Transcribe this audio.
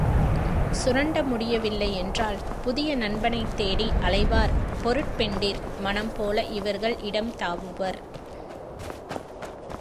சுரண்ட முடியவில்லை என்றால் புதிய நண்பனைத் தேடி அலைவார் பொருட்பெண்டிர் மனம் போல இவர்கள் இடம் தாவுவர்.